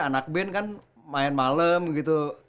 anak band kan main malam gitu